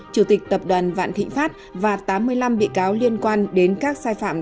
chủ tịch tập đoàn vạn thịnh pháp và tám mươi năm bị cáo liên quan đến các sai phạm